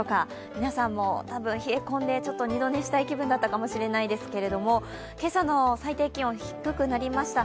皆さんも多分、冷え込んで二度寝したい気分だったかもしれないですけども、今朝の最低気温、低くなりました。